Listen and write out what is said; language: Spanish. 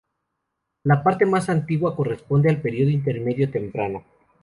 La parte más antigua corresponde al período Intermedio Temprano.